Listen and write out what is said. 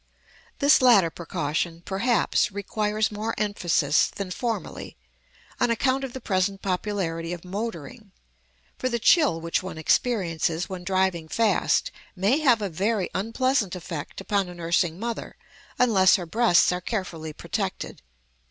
This latter precaution, perhaps, requires more emphasis than formerly, on account of the present popularity of motoring; for the chill which one experiences when driving fast may have a very unpleasant effect upon a nursing mother unless her breasts are carefully protected.